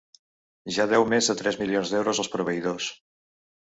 Ja deu més de tres milions d’euros als proveïdors.